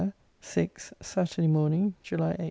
SIX, SATURDAY MORNING, JULY 8.